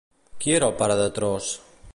Qui era el pare de Tros?